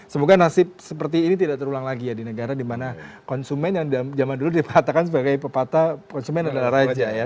semoga nasib seperti ini tidak terulang lagi ya di negara di mana konsumen yang zaman dulu dikatakan sebagai pepatah konsumen adalah raja ya